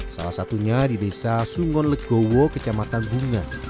salah satunya di desa sungon legowo kecamatan bunga